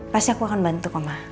pasti aku akan bantu omah